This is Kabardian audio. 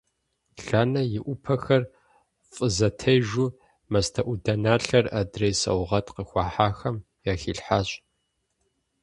Ланэ и Ӏупэхэр фӀызэтежу мастэӀуданалъэр адрей саугъэт къыхуахьахэм яхилъхьащ.